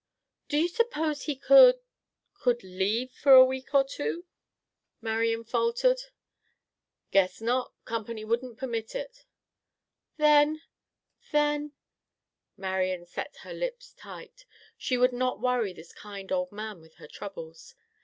"Do you suppose he could—could leave for a week or two?" Marian faltered. "Guess not. Company wouldn't permit it." "Then—then—" Marian set her lips tight. She would not worry this kind old man with her troubles.